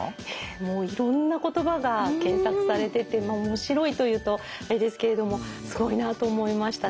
もういろんな言葉が検索されてて面白いと言うとあれですけれどもすごいなあと思いましたね。